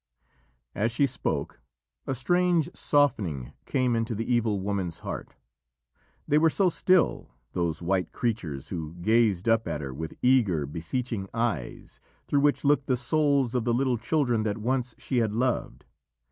As she spoke, a strange softening came into the evil woman's heart. They were so still, those white creatures who gazed up at her with eager, beseeching eyes, through which looked the souls of the little children that once she had loved.